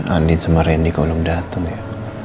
andien sama randy kalau dateng ya